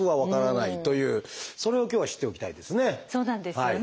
そうなんですよね。